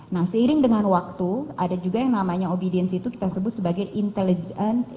nah seiring dengan waktu ada juga yang namanya obedience itu kita sebut sebagai intelligence